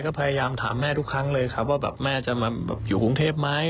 ก็พยายามถามแม่ทุกครั้งเลยครับว่าแบบแม่จะมาอยู่กรุงเทพไหม